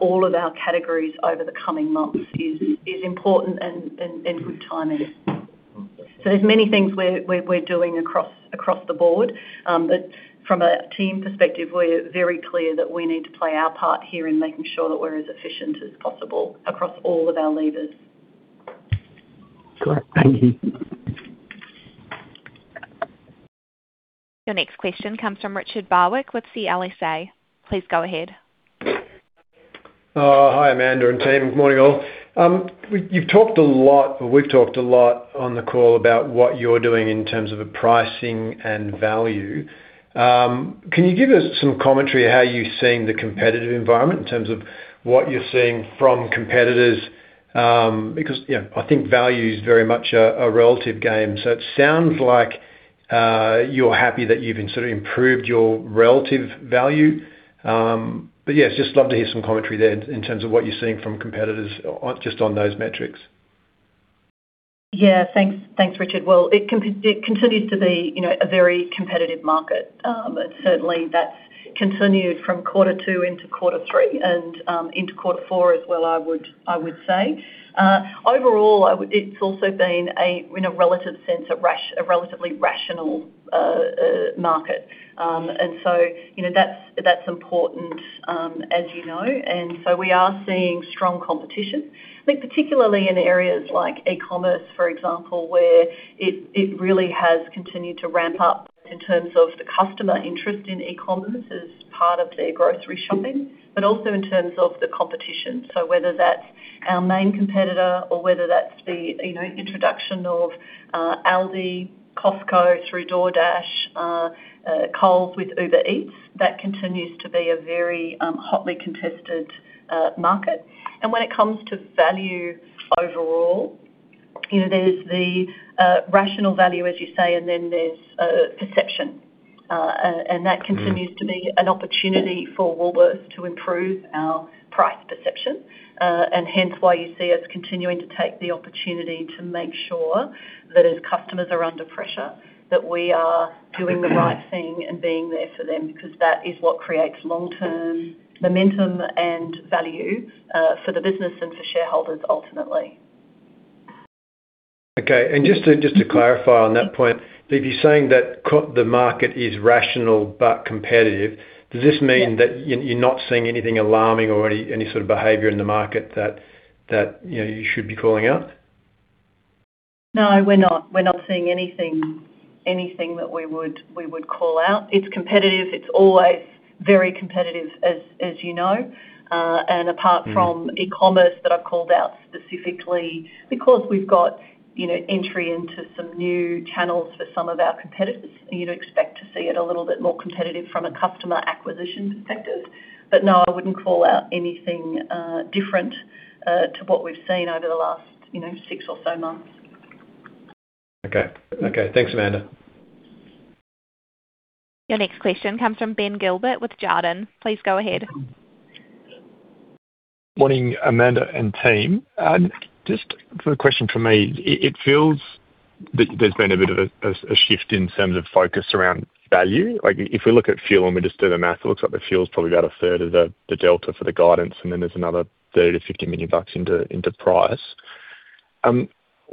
[SPEAKER 2] all of our categories over the coming months is important and good timing. There's many things we're doing across the board. From a team perspective, we're very clear that we need to play our part here in making sure that we're as efficient as possible across all of our levers.
[SPEAKER 14] Great. Thank you.
[SPEAKER 1] Your next question comes from Richard Barwick with CLSA. Please go ahead.
[SPEAKER 15] Hi, Amanda and team. Good morning, all. You've talked a lot, or we've talked a lot on the call about what you're doing in terms of a pricing and value. Can you give us some commentary how you're seeing the competitive environment in terms of what you're seeing from competitors, because, you know, I think value is very much a relative game. It sounds like you're happy that you've been sort of improved your relative value. I just love to hear some commentary there in terms of what you're seeing from competitors on, just on those metrics.
[SPEAKER 2] Yeah. Thanks, thanks, Richard. It continues to be, you know, a very competitive market. Certainly that's continued from quarter two into quarter three and into quarter four as well, I would say. Overall, it's also been a, in a relative sense, a relatively rational market. You know, that's important, as you know, we are seeing strong competition. I think particularly in areas like e-commerce, for example, where it really has continued to ramp up in terms of the customer interest in e-commerce as part of their grocery shopping, but also in terms of the competition. Whether that's our main competitor or whether that's the, you know, introduction of Aldi, Costco through DoorDash, Coles with Uber Eats, that continues to be a very hotly contested market. When it comes to value overall, you know, there's the rational value, as you say, and then there's perception, and that continues to be an opportunity for Woolworths to improve our price perception, and hence why you see us continuing to take the opportunity to make sure that as customers are under pressure, that we are doing the right thing and being there for them because that is what creates long-term momentum and value for the business and for shareholders ultimately.
[SPEAKER 15] Okay. Just to clarify on that point, if you're saying that the market is rational but competitive, does this mean that you're not seeing anything alarming or any sort of behavior in the market that, you know, you should be calling out?
[SPEAKER 2] No, we're not. We're not seeing anything that we would call out. It's competitive. It's always very competitive, as you know. Apart from e-commerce that I've called out specifically because we've got, you know, entry into some new channels for some of our competitors, you'd expect to see it a little bit more competitive from a customer acquisition perspective. No, I wouldn't call out anything different to what we've seen over the last, you know, six or so months.
[SPEAKER 15] Okay. Okay. Thanks, Amanda.
[SPEAKER 1] Your next question comes from Ben Gilbert with Jarden. Please go ahead.
[SPEAKER 16] Morning, Amanda and team. Just for a question from me, it feels that there's been a bit of a shift in terms of focus around value. Like if we look at fuel and we just do the math, it looks like the fuel's probably about a third of the delta for the guidance, and then there's another 30 million-50 million bucks into price.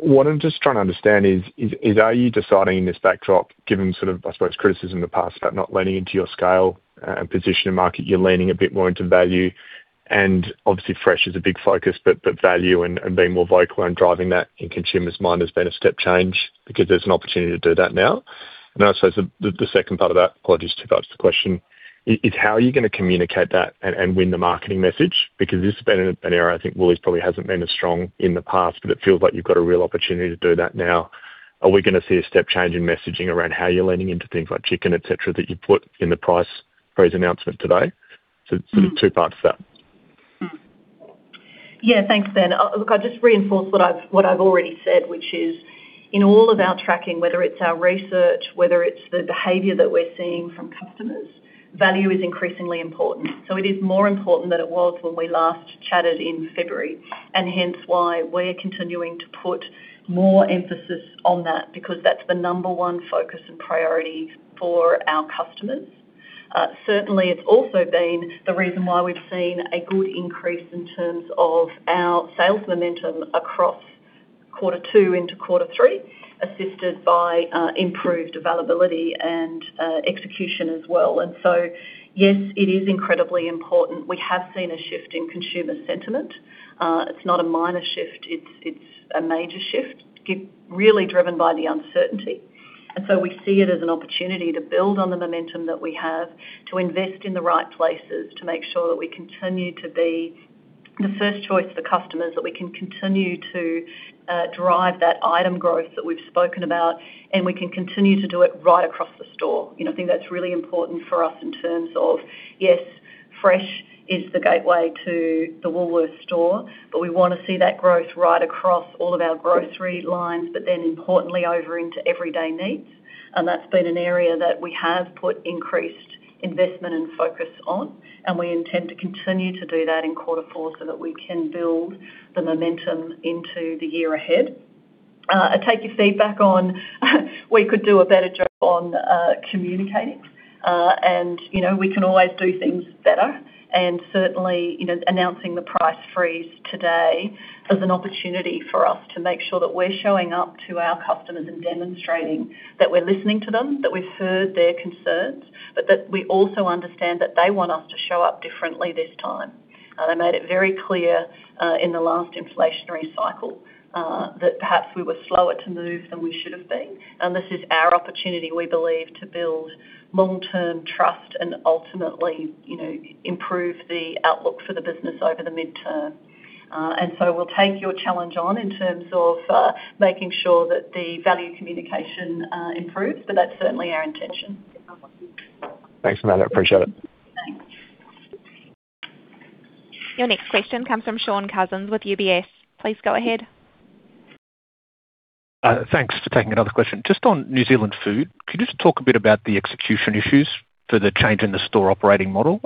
[SPEAKER 16] What I'm just trying to understand is are you deciding in this backdrop, given sort of, I suppose, criticism in the past about not leaning into your scale and position in market, you're leaning a bit more into value? Obviously, fresh is a big focus, but value and being more vocal and driving that in consumers' mind has been a step change because there's an opportunity to do that now. Also the second part of that, apologies, two parts to the question, is how are you gonna communicate that and win the marketing message? This has been an era, I think Woolies probably hasn't been as strong in the past, but it feels like you've got a real opportunity to do that now. Are we gonna see a step change in messaging around how you're leaning into things like chicken, et cetera, that you put in the Price Freeze announcement today? Sort of two parts to that.
[SPEAKER 2] Thanks, Ben. Look, I'll just reinforce what I've already said, which is in all of our tracking, whether it's our research, whether it's the behavior that we're seeing from customers, value is increasingly important. It is more important than it was when we last chatted in February, and hence why we're continuing to put more emphasis on that because that's the number one focus and priority for our customers. Certainly, it's also been the reason why we've seen a good increase in terms of our sales momentum across quarter two into quarter three, assisted by improved availability and execution as well. Yes, it is incredibly important. We have seen a shift in consumer sentiment. It's not a minor shift, it's a major shift, really driven by the uncertainty. We see it as an opportunity to build on the momentum that we have, to invest in the right places, to make sure that we continue to be the first choice for customers that we can continue to drive that item growth that we've spoken about, and we can continue to do it right across the store. You know, I think that's really important for us in terms of, yes, fresh is the gateway to the Woolworths store, but we wanna see that growth right across all of our grocery lines, importantly over into Everyday Needs. That's been an area that we have put increased investment and focus on, and we intend to continue to do that in quarter four so that we can build the momentum into the year ahead. I take your feedback on we could do a better job on communicating. You know, we can always do things better. Certainly, you know, announcing the Price Freeze today is an opportunity for us to make sure that we're showing up to our customers and demonstrating that we're listening to them, that we've heard their concerns, but that we also understand that they want us to show up differently this time. They made it very clear in the last inflationary cycle that perhaps we were slower to move than we should have been. This is our opportunity, we believe, to build long-term trust and ultimately, you know, improve the outlook for the business over the midterm. We'll take your challenge on in terms of making sure that the value communication improves, but that's certainly our intention.
[SPEAKER 16] Thanks, Amanda. Appreciate it.
[SPEAKER 2] Thanks.
[SPEAKER 1] Your next question comes from Shaun Cousins with UBS. Please go ahead.
[SPEAKER 3] Thanks for taking another question. Just on New Zealand food, could you just talk a bit about the execution issues for the change in the store operating model?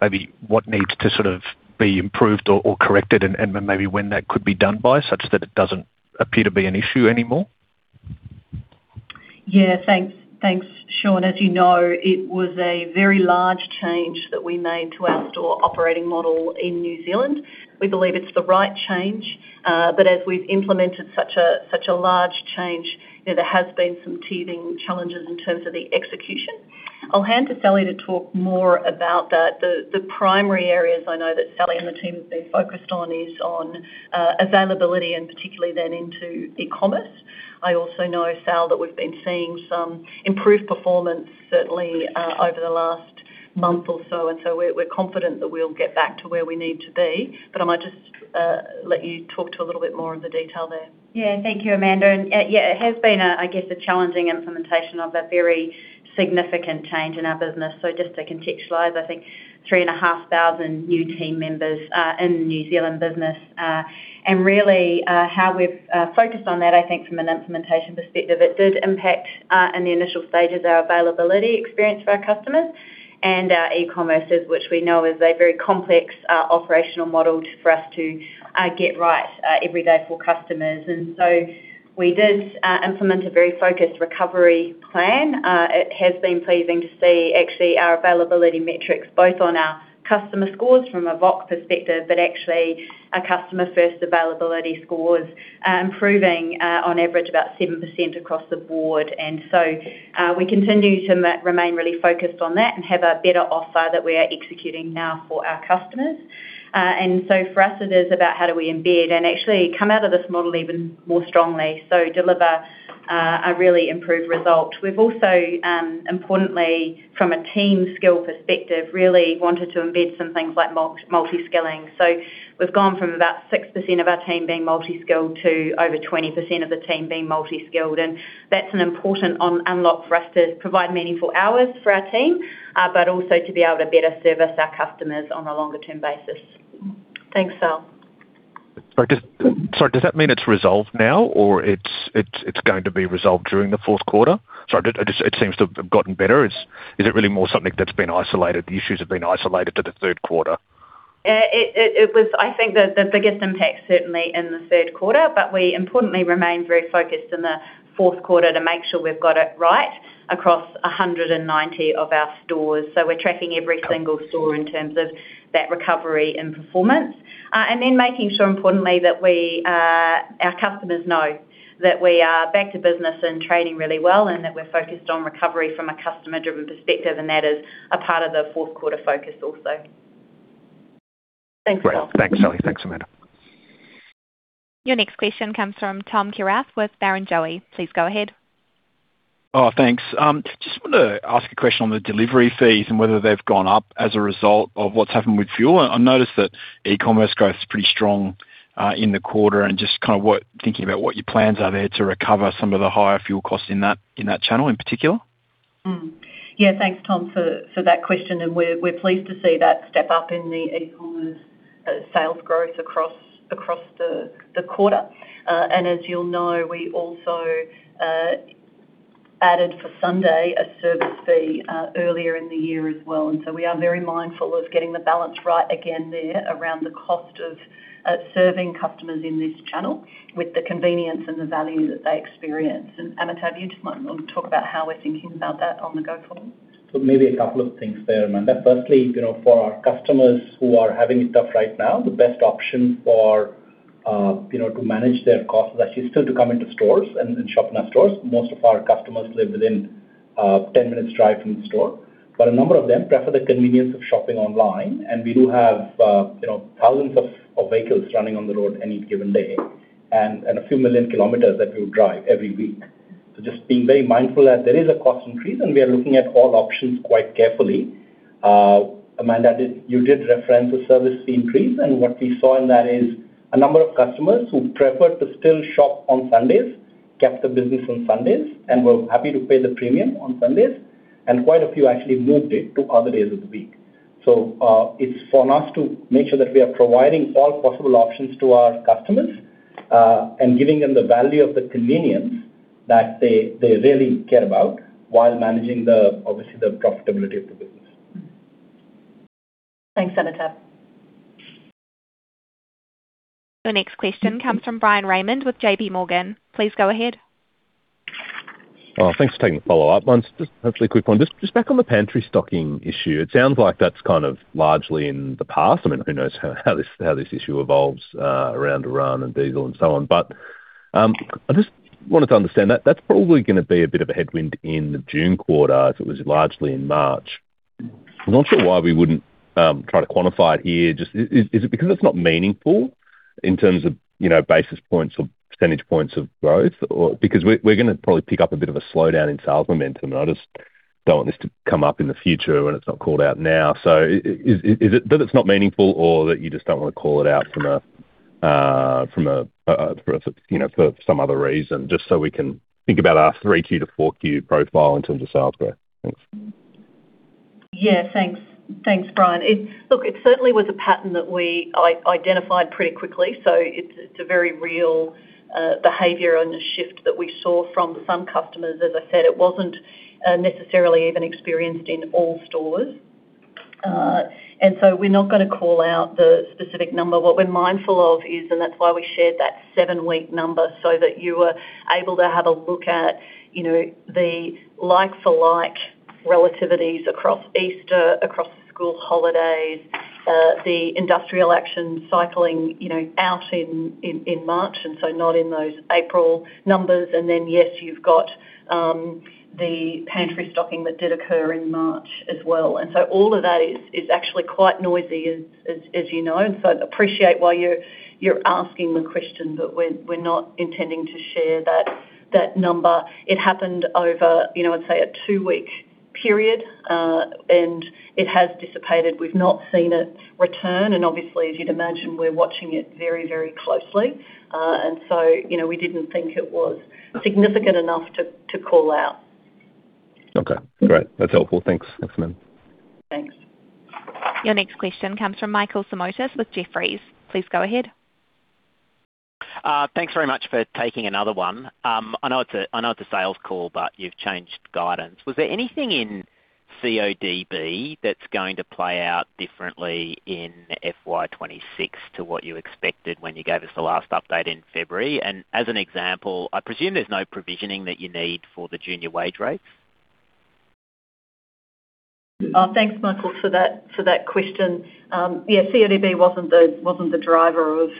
[SPEAKER 3] Maybe what needs to sort of be improved or corrected and maybe when that could be done by such that it doesn't appear to be an issue anymore.
[SPEAKER 2] Yeah, thanks. Thanks, Shaun. As you know, it was a very large change that we made to our store operating model in New Zealand. We believe it's the right change. As we've implemented such a large change, you know, there has been some teething challenges in terms of the execution. I'll hand to Sally to talk more about that. The primary areas I know that Sally and the team have been focused on is on availability and particularly then into e-commerce. I also know, Sal, that we've been seeing some improved performance certainly over the last month or so, we're confident that we'll get back to where we need to be. I might just let you talk to a little bit more of the detail there.
[SPEAKER 17] Thank you, Amanda. It has been a, I guess, a challenging implementation of a very significant change in our business. Just to contextualize, I think 3,500 new team members in the New Zealand business. Really, how we've focused on that, I think from an implementation perspective, it did impact in the initial stages, our availability experience for our customers and our e-commerce, which we know is a very complex operational model for us to get right every day for customers. We did implement a very focused recovery plan. It has been pleasing to see actually our availability metrics, both on our customer scores from a VoC perspective, but actually our customer first availability scores improving on average about 7% across the board. We continue to remain really focused on that and have a better offer that we are executing now for our customers. For us it is about how do we embed and actually come out of this model even more strongly, so deliver a really improved result. We've also, importantly from a team skill perspective, really wanted to embed some things like multi-skilling. We've gone from about 6% of our team being multi-skilled to over 20% of the team being multi-skilled, and that's an important unlock for us to provide meaningful hours for our team, but also to be able to better service our customers on a longer term basis.
[SPEAKER 2] Thanks, Sal.
[SPEAKER 3] Sorry, does that mean it's resolved now or it's going to be resolved during the fourth quarter? It seems to have gotten better. Is it really more something that's been isolated, the issues have been isolated to the third quarter?
[SPEAKER 17] It was I think the biggest impact certainly in the third quarter. We importantly remained very focused in the fourth quarter to make sure we've got it right across 190 of our stores. We're tracking every single store in terms of that recovery and performance. Making sure importantly that we, our customers know that we are back to business and trading really well and that we're focused on recovery from a customer-driven perspective, and that is a part of the fourth quarter focus also.
[SPEAKER 2] Thanks, Sal.
[SPEAKER 3] Great. Thanks, Sally. Thanks, Amanda.
[SPEAKER 1] Your next question comes from Tom Kierath with Barrenjoey. Please go ahead.
[SPEAKER 8] Oh, thanks. Just wanna ask a question on the delivery fees and whether they've gone up as a result of what's happened with fuel. I've noticed that e-commerce growth's pretty strong in the quarter, and just kind of thinking about what your plans are there to recover some of the higher fuel costs in that channel in particular.
[SPEAKER 2] Yeah, thanks, Tom, for that question. We're pleased to see that step up in the e-commerce sales growth across the quarter. As you'll know, we also added for Sunday a service fee earlier in the year as well. We are very mindful of getting the balance right again there around the cost of serving customers in this channel with the convenience and the value that they experience. Amitabh might talk about how we're thinking about that on the go-forward.
[SPEAKER 18] Maybe a couple of things there, Amanda. Firstly, you know, for our customers who are having it tough right now, the best option for, you know, to manage their costs is actually still to come into stores and shop in our stores. Most of our customers live within 10 minutes drive from the store. A number of them prefer the convenience of shopping online, and we do have, you know, thousands of vehicles running on the road any given day and a few million kilometers that we drive every week. Just being very mindful that there is a cost increase, and we are looking at all options quite carefully. Amanda, you did reference the service fee increase. What we saw in that is a number of customers who preferred to still shop on Sundays, kept the business on Sundays and were happy to pay the premium on Sundays, and quite a few actually moved it to other days of the week. It's for us to make sure that we are providing all possible options to our customers and giving them the value of the convenience that they really care about while managing the, obviously, the profitability of the business.
[SPEAKER 2] Thanks, Amitabh.
[SPEAKER 1] The next question comes from Bryan Raymond with JPMorgan. Please go ahead.
[SPEAKER 12] Oh, thanks for taking the follow-up. One's just actually a quick one. Just back on the pantry stocking issue. It sounds like that's kind of largely in the past. I mean, who knows how this issue evolves around Iran and diesel and so on. I just wanted to understand that that's probably going to be a bit of a headwind in the June quarter, as it was largely in March. I'm not sure why we wouldn't try to quantify it here. Just is it because it's not meaningful in terms of, you know, basis points or percentage points of growth or? We're going to probably pick up a bit of a slowdown in sales momentum, and I just don't want this to come up in the future when it's not called out now. Is it that it's not meaningful or that you just don't wanna call it out from a, for, you know, for some other reason, just so we can think about our 3Q to 4Q profile in terms of sales growth. Thanks.
[SPEAKER 2] Thanks. Thanks, Bryan. Look, it certainly was a pattern that we identified pretty quickly. It's a very real behavior and a shift that we saw from some customers. As I said, it wasn't necessarily even experienced in all stores. We're not going to call out the specific number. What we're mindful of is, that's why we shared that seven-week number, so that you were able to have a look at, you know, the like-for-like relativities across Easter, across the school holidays, the industrial action cycling, you know, out in March, not in those April numbers. Yes, you've got the pantry stocking that did occur in March as well. All of that is actually quite noisy as you know. I appreciate why you're asking the question, but we're not intending to share that number. It happened over, you know, I'd say a two-week period, and it has dissipated. We've not seen it return, and obviously, as you'd imagine, we're watching it very, very closely. You know, we didn't think it was significant enough to call out.
[SPEAKER 12] Okay, great. That's helpful. Thanks. Thanks, Amanda.
[SPEAKER 2] Thanks.
[SPEAKER 1] Your next question comes from Michael Simotas with Jefferies. Please go ahead.
[SPEAKER 5] Thanks very much for taking another one. I know it's a sales call, but you've changed guidance. Was there anything in CODB that's going to play out differently in FY 2026 to what you expected when you gave us the last update in February? As an example, I presume there's no provisioning that you need for the junior wage rates.
[SPEAKER 2] Oh, thanks, Michael, for that, for that question. Yeah, CODB wasn't the driver of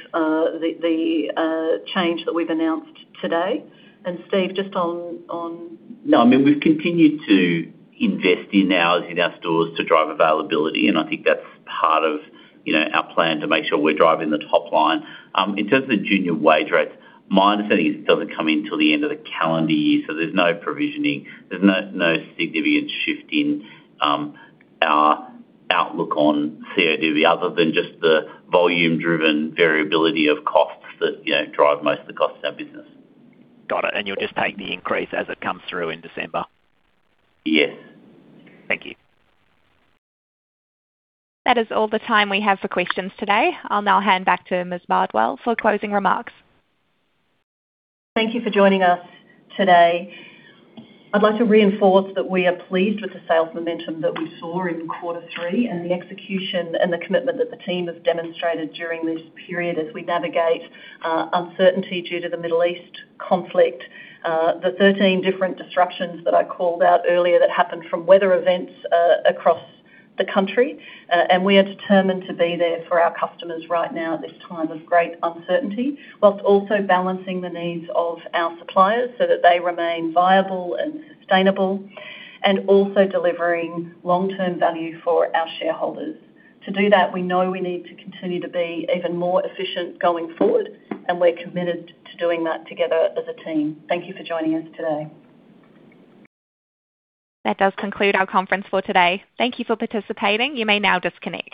[SPEAKER 2] the change that we've announced today. Steve, just on-
[SPEAKER 7] No, I mean, we've continued to invest in our stores to drive availability, and I think that's part of, you know, our plan to make sure we're driving the top line. In terms of the junior wage rates, my understanding is it doesn't come in till the end of the calendar year, so there's no provisioning. There's no significant shift in our outlook on CODB other than just the volume-driven variability of costs that, you know, drive most of the costs in our business.
[SPEAKER 5] Got it. You'll just take the increase as it comes through in December?
[SPEAKER 7] Yes.
[SPEAKER 5] Thank you.
[SPEAKER 1] That is all the time we have for questions today. I'll now hand back to Ms. Bardwell for closing remarks.
[SPEAKER 2] Thank you for joining us today. I'd like to reinforce that we are pleased with the sales momentum that we saw in quarter three and the execution and the commitment that the team has demonstrated during this period as we navigate uncertainty due to the Middle East conflict, the 13 different disruptions that I called out earlier that happened from weather events across the country. We are determined to be there for our customers right now at this time of great uncertainty, while also balancing the needs of our suppliers so that they remain viable and sustainable, and also delivering long-term value for our shareholders. To do that, we know we need to continue to be even more efficient going forward, and we're committed to doing that together as a team. Thank you for joining us today.
[SPEAKER 1] That does conclude our conference for today. Thank you for participating. You may now disconnect.